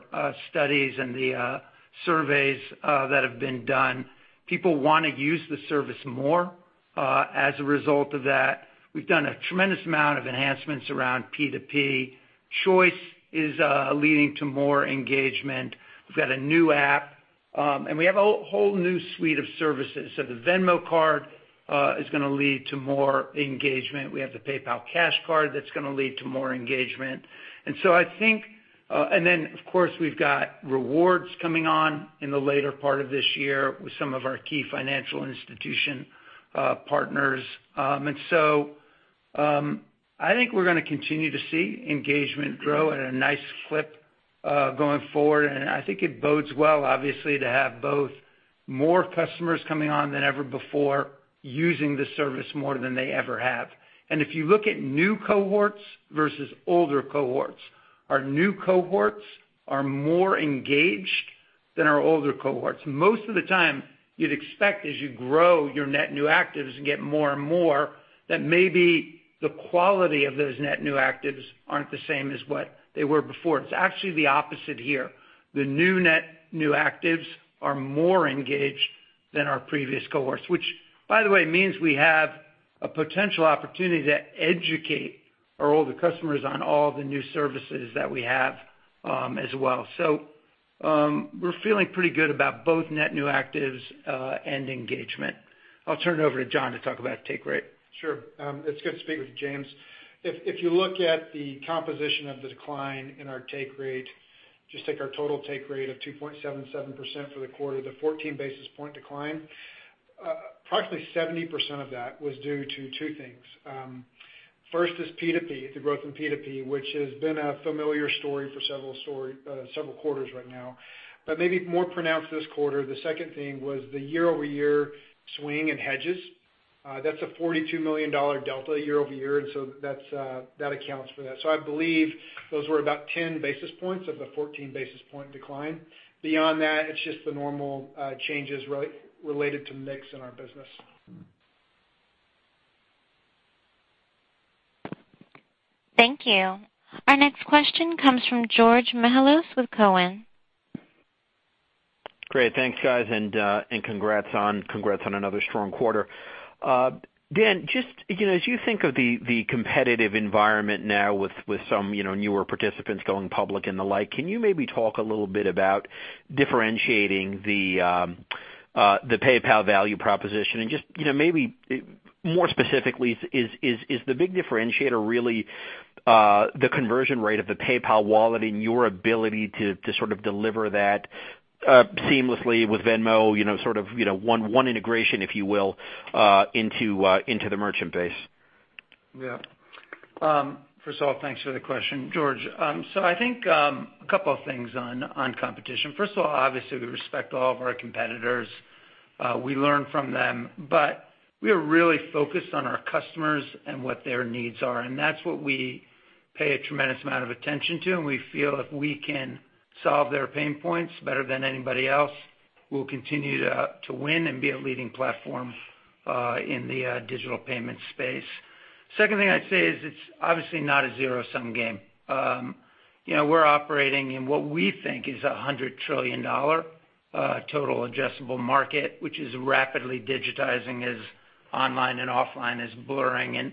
studies and the surveys that have been done, people want to use the service more. As a result of that, we've done a tremendous amount of enhancements around P2P. Choice is leading to more engagement. We've got a new app, we have a whole new suite of services. The Venmo Card is going to lead to more engagement. We have the PayPal Cash Card that's going to lead to more engagement. Then of course, we've got rewards coming on in the later part of this year with some of our key financial institution partners. I think we're going to continue to see engagement grow at a nice clip going forward, and I think it bodes well, obviously, to have both more customers coming on than ever before using the service more than they ever have. If you look at new cohorts versus older cohorts, our new cohorts are more engaged than our older cohorts. Most of the time you'd expect as you grow your net new actives and get more and more, that maybe the quality of those net new actives aren't the same as what they were before. It's actually the opposite here. The new net new actives are more engaged than our previous cohorts, which by the way, means we have a potential opportunity to educate our older customers on all the new services that we have as well. We're feeling pretty good about both net new actives and engagement. I'll turn it over to John to talk about take rate. Sure. It's good to speak with you, James. If you look at the composition of the decline in our take rate, just take our total take rate of 2.77% for the quarter, the 14 basis point decline, approximately 70% of that was due to two things. First is P2P, the growth in P2P, which has been a familiar story for several quarters right now, but maybe more pronounced this quarter. The second thing was the year-over-year swing in hedges. That's a $42 million delta year-over-year. That accounts for that. I believe those were about 10 basis points of the 14 basis point decline. Beyond that, it's just the normal changes related to mix in our business. Thank you. Our next question comes from Georgios Mihalos with Cowen. Great. Thanks, guys, and congrats on another strong quarter. Dan, as you think of the competitive environment now with some newer participants going public and the like, can you maybe talk a little bit about differentiating the PayPal value proposition? Just maybe more specifically, is the big differentiator really the conversion rate of the PayPal wallet and your ability to sort of deliver that seamlessly with Venmo, sort of one integration, if you will, into the merchant base? First of all, thanks for the question, George. I think a couple of things on competition. First of all, obviously, we respect all of our competitors. We learn from them. We are really focused on our customers and what their needs are, and that's what we pay a tremendous amount of attention to, and we feel if we can solve their pain points better than anybody else, we'll continue to win and be a leading platform in the digital payment space. Second thing I'd say is it's obviously not a zero-sum game. We're operating in what we think is a $100 trillion total addressable market, which is rapidly digitizing as online and offline is blurring.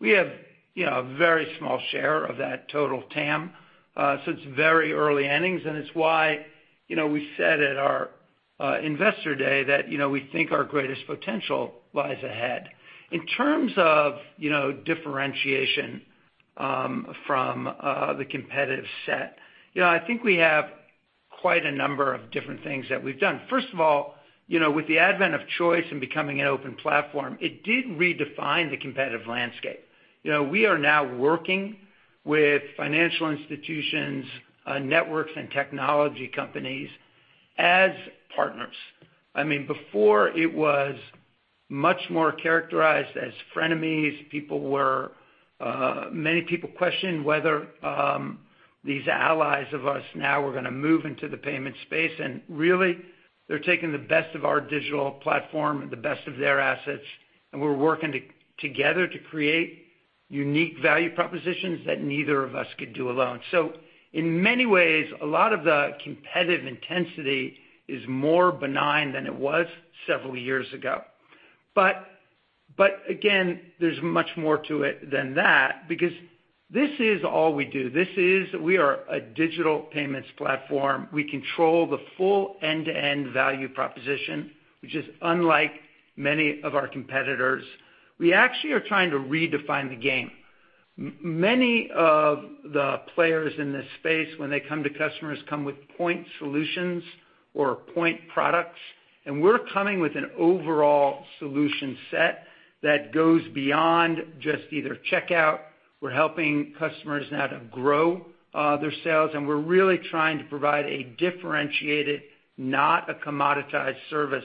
We have a very small share of that total TAM. It's very early innings, and it's why we said at our investor day that we think our greatest potential lies ahead. In terms of differentiation from the competitive set, I think we have quite a number of different things that we've done. First of all, with the advent of choice and becoming an open platform, it did redefine the competitive landscape. We are now working with financial institutions, networks, and technology companies as partners. Before, it was much more characterized as frenemies. Many people questioned whether these allies of us now were gonna move into the payment space, and really, they're taking the best of our digital platform and the best of their assets, and we're working together to create unique value propositions that neither of us could do alone. In many ways, a lot of the competitive intensity is more benign than it was several years ago. Again, there's much more to it than that because this is all we do. We are a digital payments platform. We control the full end-to-end value proposition, which is unlike many of our competitors. We actually are trying to redefine the game. Many of the players in this space, when they come to customers, come with point solutions or point products, and we're coming with an overall solution set that goes beyond just either checkout. We're helping customers now to grow their sales, and we're really trying to provide a differentiated, not a commoditized service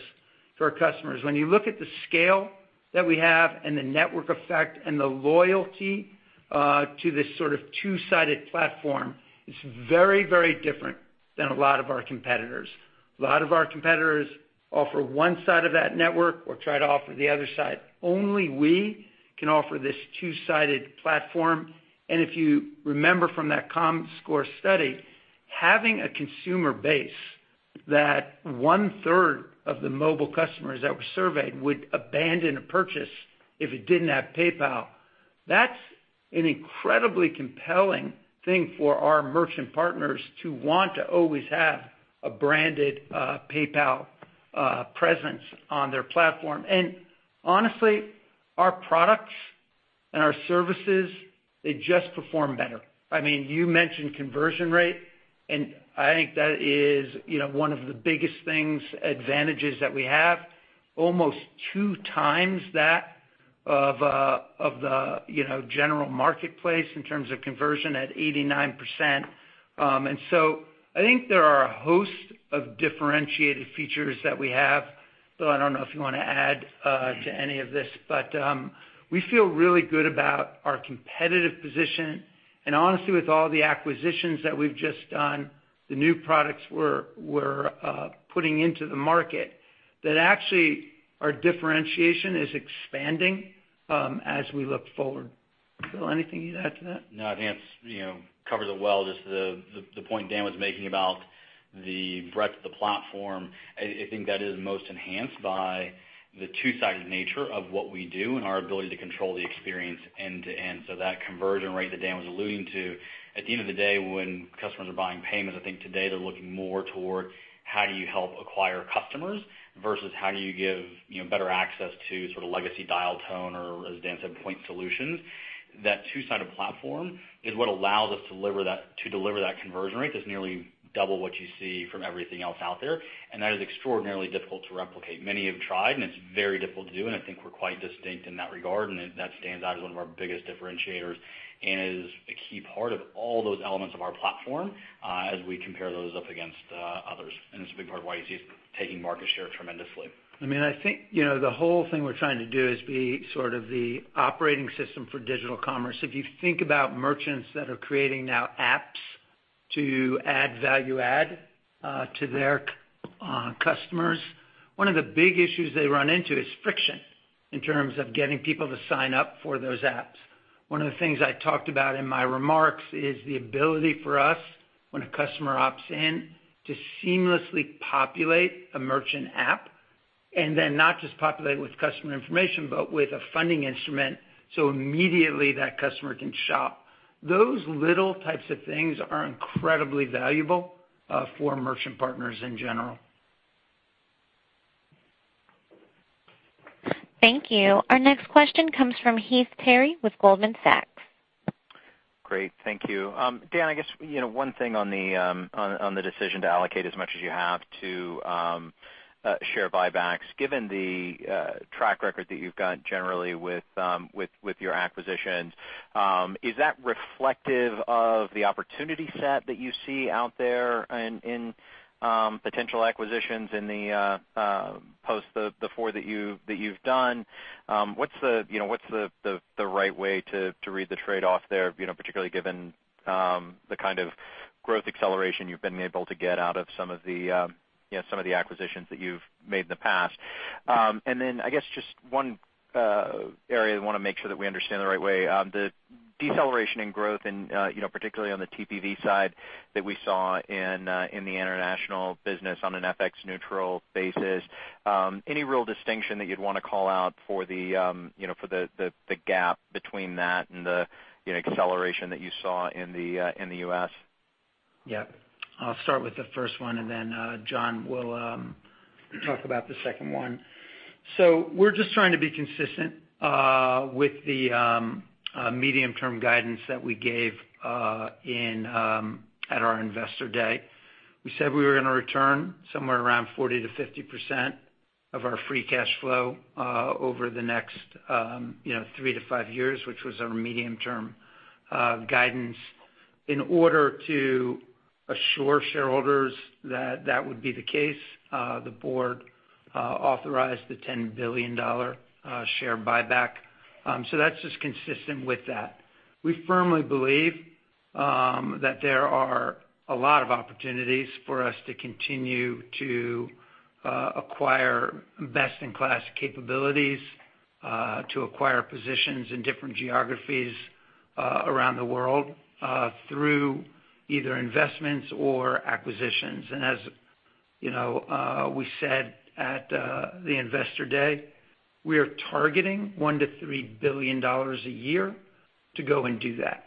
for our customers. When you look at the scale that we have and the network effect and the loyalty to this sort of two-sided platform, it's very different than a lot of our competitors. A lot of our competitors offer one side of that network or try to offer the other side. Only we can offer this two-sided platform. If you remember from that Comscore study, having a consumer base that one-third of the mobile customers that were surveyed would abandon a purchase if it didn't have PayPal. That's an incredibly compelling thing for our merchant partners to want to always have a branded PayPal presence on their platform. Honestly, our products and our services, they just perform better. You mentioned conversion rate, and I think that is one of the biggest things, advantages that we have, almost two times that of the general marketplace in terms of conversion at 89%. I think there are a host of differentiated features that we have. Bill, I don't know if you want to add to any of this, we feel really good about our competitive position. Honestly, with all the acquisitions that we've just done, the new products we're putting into the market, that actually our differentiation is expanding as we look forward. Bill, anything you'd add to that? No, Dan's covered it well. Just the point Dan was making about the breadth of the platform, I think that is most enhanced by the two-sided nature of what we do and our ability to control the experience end-to-end. That conversion rate that Dan was alluding to, at the end of the day, when customers are buying payments, I think today they're looking more toward how do you help acquire customers versus how do you give better access to sort of legacy dial tone or, as Dan said, point solutions. That two-sided platform is what allows us to deliver that conversion rate that's nearly double what you see from everything else out there, and that is extraordinarily difficult to replicate. Many have tried, and it's very difficult to do, and I think we're quite distinct in that regard, and that stands out as one of our biggest differentiators and is a key part of all those elements of our platform as we compare those up against others. It's a big part of why you see us taking market share tremendously. I think the whole thing we're trying to do is be sort of the operating system for digital commerce. If you think about merchants that are creating now apps to add value add to their customers. One of the big issues they run into is friction in terms of getting people to sign up for those apps. One of the things I talked about in my remarks is the ability for us when a customer opts in to seamlessly populate a merchant app and then not just populate with customer information but with a funding instrument so immediately that customer can shop. Those little types of things are incredibly valuable for merchant partners in general. Thank you. Our next question comes from Heath Terry with Goldman Sachs. Great. Thank you. Dan, I guess one thing on the decision to allocate as much as you have to share buybacks, given the track record that you've got generally with your acquisitions, is that reflective of the opportunity set that you see out there in potential acquisitions in the post the four that you've done? What's the right way to read the trade-off there, particularly given the kind of growth acceleration you've been able to get out of some of the acquisitions that you've made in the past? I guess just one area I want to make sure that we understand the right way. The deceleration in growth and particularly on the TPV side that we saw in the international business on an FX neutral basis, any real distinction that you'd want to call out for the gap between that and the acceleration that you saw in the U.S.? Yeah. I'll start with the first one and then John will talk about the second one. We're just trying to be consistent with the medium-term guidance that we gave at our Investor Day. We said we were going to return somewhere around 40%-50% of our free cash flow over the next three to five years, which was our medium-term guidance. In order to assure shareholders that that would be the case, the board authorized the $10 billion share buyback. That's just consistent with that. We firmly believe that there are a lot of opportunities for us to continue to acquire best-in-class capabilities, to acquire positions in different geographies around the world through either investments or acquisitions. As we said at the Investor Day, we are targeting $1 billion to $3 billion a year to go and do that.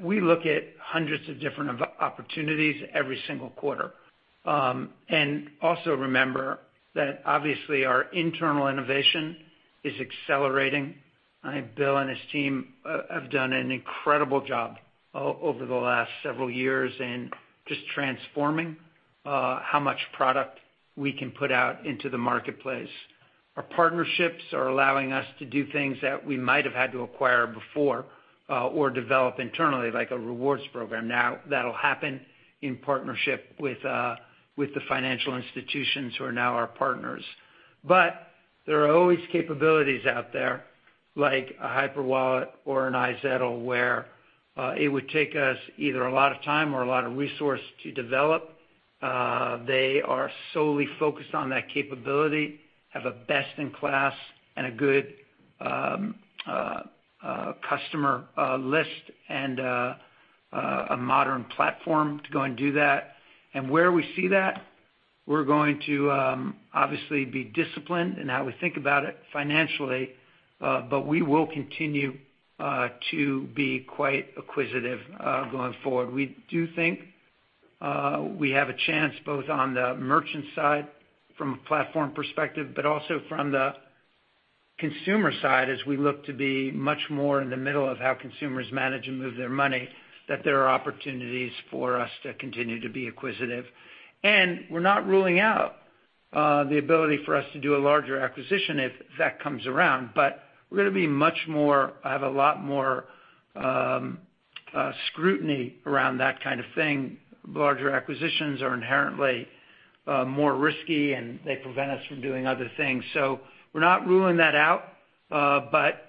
We look at hundreds of different opportunities every single quarter. Also remember that obviously our internal innovation is accelerating. Bill and his team have done an incredible job over the last several years in just transforming how much product we can put out into the marketplace. Our partnerships are allowing us to do things that we might have had to acquire before or develop internally, like a rewards program. That'll happen in partnership with the financial institutions who are now our partners. There are always capabilities out there like a Hyperwallet or an iZettle where it would take us either a lot of time or a lot of resource to develop. They are solely focused on that capability, have a best-in-class and a good customer list and a modern platform to go and do that. Where we see that, we're going to obviously be disciplined in how we think about it financially. We will continue to be quite acquisitive going forward. We do think we have a chance both on the merchant side from a platform perspective, but also from the consumer side as we look to be much more in the middle of how consumers manage and move their money, that there are opportunities for us to continue to be acquisitive. We're not ruling out the ability for us to do a larger acquisition if that comes around, but we're going to have a lot more scrutiny around that kind of thing. Larger acquisitions are inherently more risky, and they prevent us from doing other things. We're not ruling that out.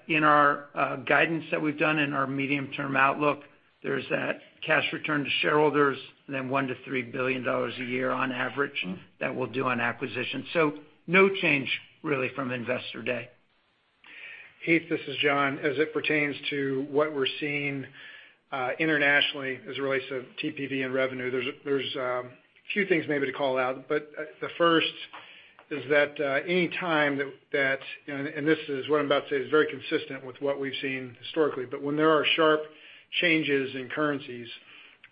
In our guidance that we've done in our medium-term outlook, there's that cash return to shareholders and then $1 billion-$3 billion a year on average that we'll do on acquisition. No change really from Investor Day. Heath, this is John. As it pertains to what we're seeing internationally as it relates to TPV and revenue, there's a few things maybe to call out. The first is that any time that, and what I'm about to say is very consistent with what we've seen historically, but when there are sharp changes in currencies,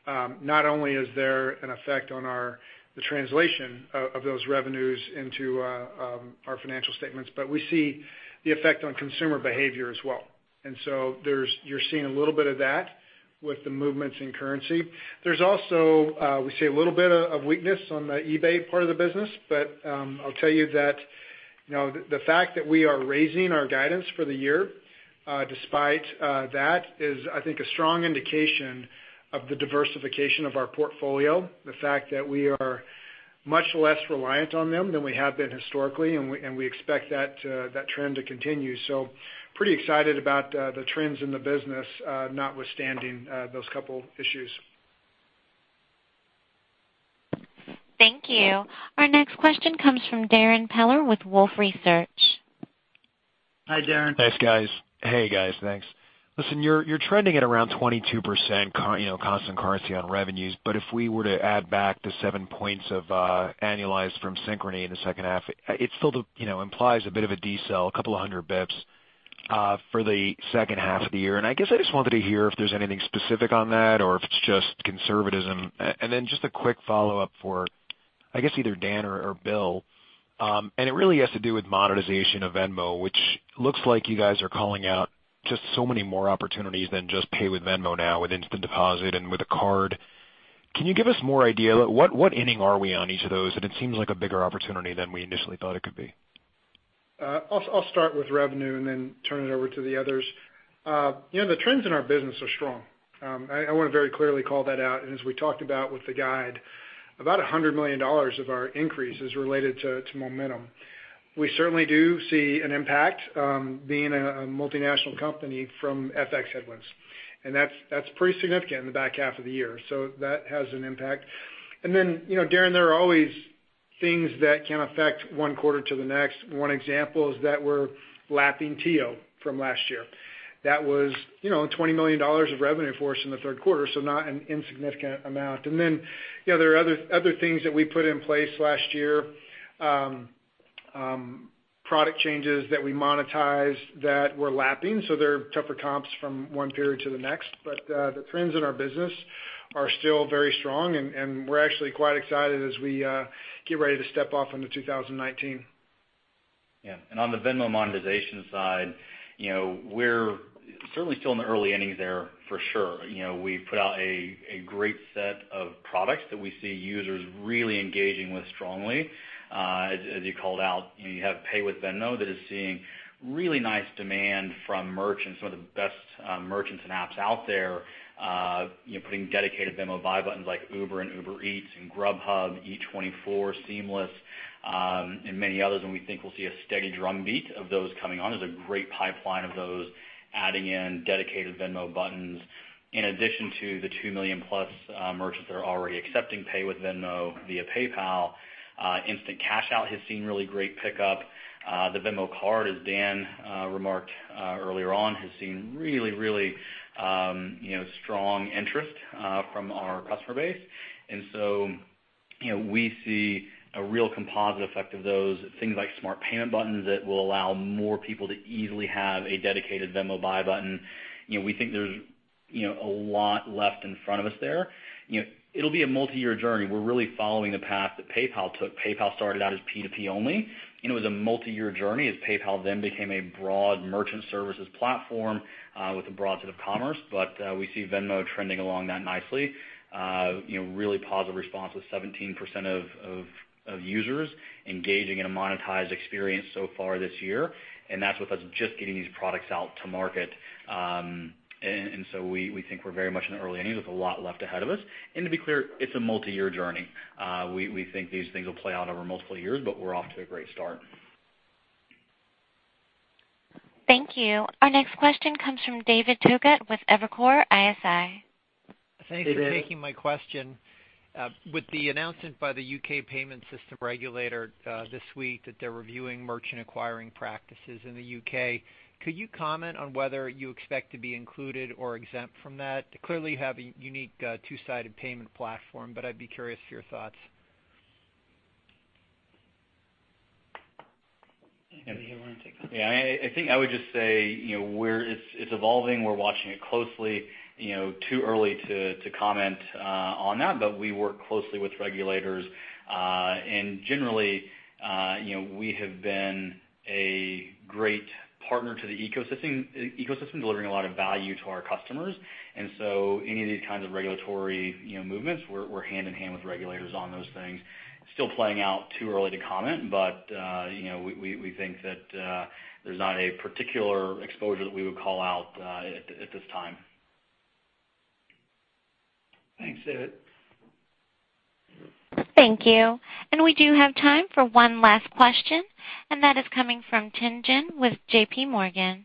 not only is there an effect on the translation of those revenues into our financial statements, but we see the effect on consumer behavior as well. You're seeing a little bit of that with the movements in currency. There's also, we see a little bit of weakness on the eBay part of the business, but I'll tell you that the fact that we are raising our guidance for the year despite that is, I think, a strong indication of the diversification of our portfolio. The fact that we are much less reliant on them than we have been historically, and we expect that trend to continue. Pretty excited about the trends in the business, notwithstanding those two issues. Thank you. Our next question comes from Darrin Peller with Wolfe Research. Hi, Darrin. Thanks, guys. Hey, guys. Thanks. Listen, you're trending at around 22% constant currency on revenues, but if we were to add back the seven points of annualized from Synchrony in the second half, it still implies a bit of a decel, a couple of hundred basis points, for the second half of the year. I guess I just wanted to hear if there's anything specific on that or if it's just conservatism. Then just a quick follow-up for, I guess, either Dan or Bill, and it really has to do with monetization of Venmo, which looks like you guys are calling out just so many more opportunities than just Pay with Venmo now with instant deposit and with a card. Can you give us more idea? What inning are we on each of those? It seems like a bigger opportunity than we initially thought it could be. I'll start with revenue and then turn it over to the others. The trends in our business are strong. I want to very clearly call that out. As we talked about with the guide, about $100 million of our increase is related to momentum. We certainly do see an impact, being a multinational company from FX headwinds, and that's pretty significant in the back half of the year. That has an impact. Darrin, there are always things that can affect one quarter to the next. One example is that we're lapping TIO from last year. That was $20 million of revenue for us in the third quarter, so not an insignificant amount. There are other things that we put in place last year, product changes that we monetized that we're lapping, so they're tougher comps from one period to the next. The trends in our business are still very strong, and we're actually quite excited as we get ready to step off into 2019. Yeah. On the Venmo monetization side, we're certainly still in the early innings there for sure. We put out a great set of products that we see users really engaging with strongly. As you called out, you have Pay with Venmo that is seeing really nice demand from merchants, some of the best merchants and apps out there putting dedicated Venmo buy buttons like Uber and Uber Eats and Grubhub, Eat24, Seamless, and many others. We think we'll see a steady drumbeat of those coming on. There's a great pipeline of those adding in dedicated Venmo buttons in addition to the 2 million-plus merchants that are already accepting Pay with Venmo via PayPal. Instant cash out has seen really great pickup. The Venmo Card, as Dan remarked earlier on, has seen really strong interest from our customer base. We see a real composite effect of those things like Smart Payment Buttons that will allow more people to easily have a dedicated Venmo buy button. We think there's a lot left in front of us there. It'll be a multi-year journey. We're really following the path that PayPal took. PayPal started out as P2P only, it was a multi-year journey as PayPal then became a broad merchant services platform with a broad set of commerce. We see Venmo trending along that nicely. Really positive response with 17% of users engaging in a monetized experience so far this year, that's with us just getting these products out to market. We think we're very much in the early innings with a lot left ahead of us. To be clear, it's a multi-year journey. We think these things will play out over multiple years, but we're off to a great start. Thank you. Our next question comes from David Togut with Evercore ISI. Hey, David. Thanks for taking my question. With the announcement by the U.K. Payment Systems Regulator this week that they're reviewing merchant acquiring practices in the U.K., could you comment on whether you expect to be included or exempt from that? Clearly, you have a unique two-sided payment platform, but I'd be curious for your thoughts. Maybe you want to take that. Yeah. I think I would just say it's evolving. We're watching it closely. Too early to comment on that, but we work closely with regulators. Generally, we have been a great partner to the ecosystem, delivering a lot of value to our customers. Any of these kinds of regulatory movements, we're hand-in-hand with regulators on those things. Still playing out, too early to comment, but we think that there's not a particular exposure that we would call out at this time. Thanks, David. Thank you. We do have time for one last question, and that is coming from Tien-Tsin with JPMorgan.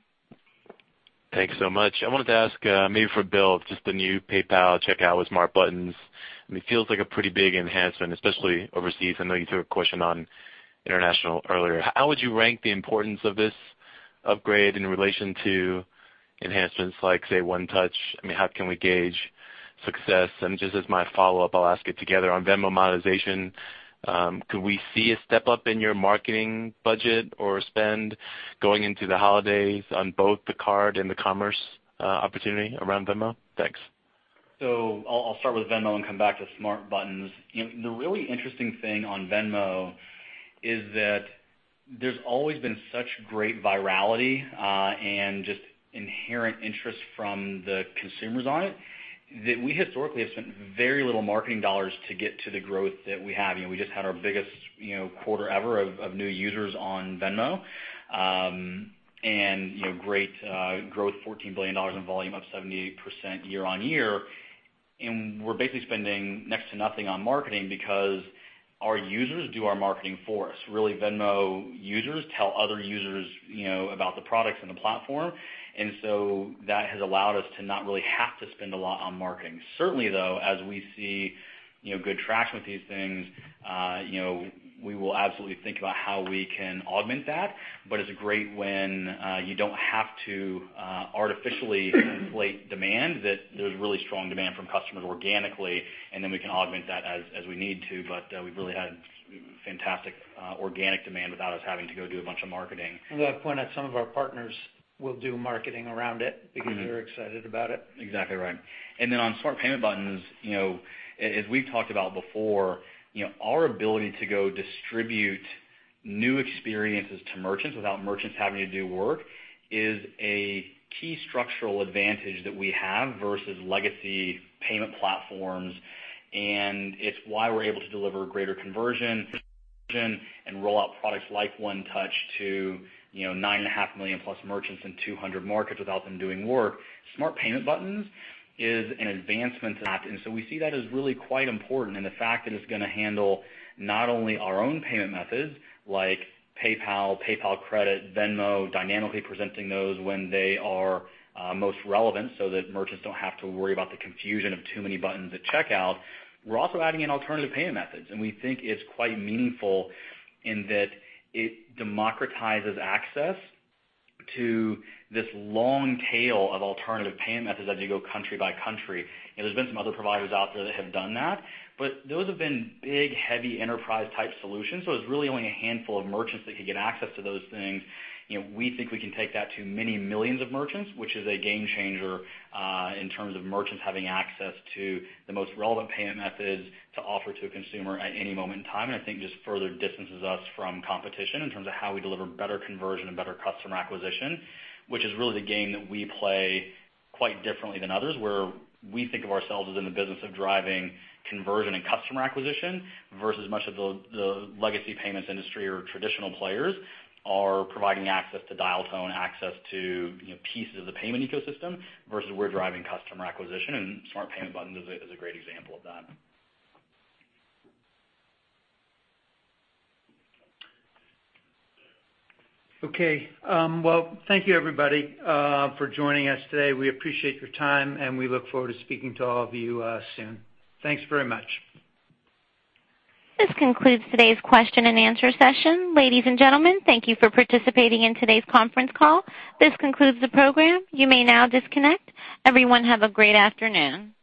Thanks so much. I wanted to ask, maybe for Bill, just the new PayPal Checkout with smart buttons. I mean, it feels like a pretty big enhancement, especially overseas. I know you threw a question on international earlier. How would you rank the importance of this upgrade in relation to enhancements like, say, One Touch? I mean, how can we gauge success? Just as my follow-up, I'll ask it together on Venmo monetization. Could we see a step-up in your marketing budget or spend going into the holidays on both the card and the commerce opportunity around Venmo? Thanks. I'll start with Venmo and come back to smart buttons. The really interesting thing on Venmo is that there's always been such great virality and just inherent interest from the consumers on it that we historically have spent very little marketing dollars to get to the growth that we have. We just had our biggest quarter ever of new users on Venmo, and great growth, $14 billion in volume, up 78% year-over-year. We're basically spending next to nothing on marketing because our users do our marketing for us. Really, Venmo users tell other users about the products and the platform. That has allowed us to not really have to spend a lot on marketing. Certainly, though, as we see good traction with these things, we will absolutely think about how we can augment that. It's great when you don't have to artificially inflate demand, that there's really strong demand from customers organically, then we can augment that as we need to. We've really had fantastic organic demand without us having to go do a bunch of marketing. I'm going to point out some of our partners will do marketing around it because they're excited about it. Exactly right. On Smart Payment Buttons, as we've talked about before, our ability to go distribute new experiences to merchants without merchants having to do work is a key structural advantage that we have versus legacy payment platforms. It's why we're able to deliver greater conversion and roll out products like One Touch to 9.5 million+ merchants in 200 markets without them doing work. Smart Payment Buttons is an advancement to that. We see that as really quite important in the fact that it's going to handle not only our own payment methods like PayPal Credit, Venmo, dynamically presenting those when they are most relevant so that merchants don't have to worry about the confusion of too many buttons at checkout. We're also adding in alternative payment methods. We think it's quite meaningful in that it democratizes access to this long tail of alternative payment methods as you go country by country. There's been some other providers out there that have done that, but those have been big, heavy enterprise-type solutions, so it's really only a handful of merchants that could get access to those things. We think we can take that to many millions of merchants, which is a game changer in terms of merchants having access to the most relevant payment methods to offer to a consumer at any moment in time. I think just further distances us from competition in terms of how we deliver better conversion and better customer acquisition. Which is really the game that we play quite differently than others, where we think of ourselves as in the business of driving conversion and customer acquisition versus much of the legacy payments industry or traditional players are providing access to dial tone, access to pieces of the payment ecosystem, versus we're driving customer acquisition. Smart Payment Buttons is a great example of that. Okay. Well, thank you everybody for joining us today. We appreciate your time. We look forward to speaking to all of you soon. Thanks very much. This concludes today's question and answer session. Ladies and gentlemen, thank you for participating in today's conference call. This concludes the program. You may now disconnect. Everyone have a great afternoon.